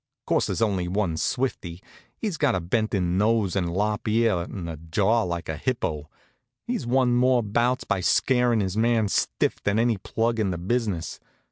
Course, there's only one Swifty. He's got a bent in nose, an' a lop ear, an' a jaw like a hippo. He's won more bouts by scarin' his man stiff than any plug in the business.